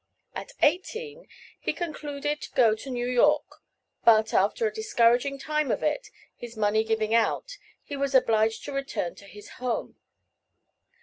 At eighteen, he concluded to go to New York; but, after a discouraging time of it, his money giving out, he was obliged to return to his home.